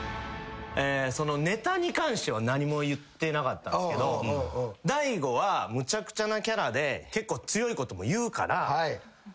そのネタに関しては何も言ってなかったんですけど大悟はむちゃくちゃなキャラで結構強いことも言うから。